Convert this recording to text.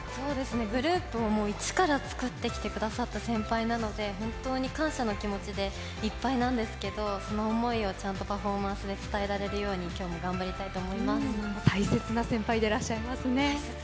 グループを一から作ってきてくださった先輩なので本当に感謝の気持ちでいっぱいなんですけどその思いをちゃんとパフォーマンスで伝えられるように大切な先輩でいらっしゃいますね。